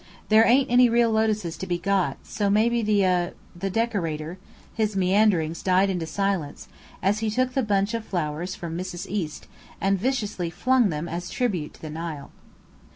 There ain't any real lotuses to be got, so maybe the er the decorator " his meanderings died into silence, as he took the bunch of flowers from Mrs. East, and viciously flung them as tribute to the Nile.